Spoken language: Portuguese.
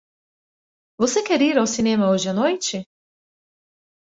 Você quer ir ao cinema hoje à noite?